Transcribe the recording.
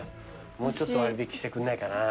もうちょっと割引してくんないかな。